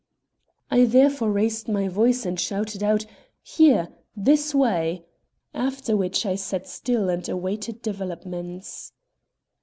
I therefore raised my voice and shouted out, "Here! this way!" after which I sat still and awaited developments.